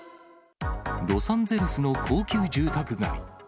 ロサンゼルスの高級住宅街。